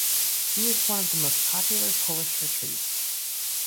He is one of the most popular Polish retreats.